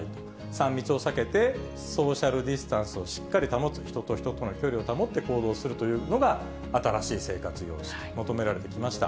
３密を避けて、ソーシャルディスタンスをしっかり保つ、人と人との距離を保って行動するというのが、新しい生活様式、求められてきました。